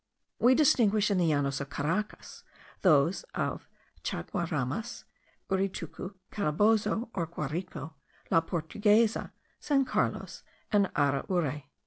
We distinguish in the Llanos of Caracas those of Chaguaramas, Uritucu, Calabozo or Guarico, La Portuguesa, San Carlos, and Araure.)